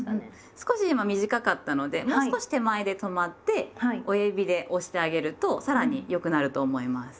少し今短かったのでもう少し手前で止まって親指で押してあげるとさらに良くなると思います。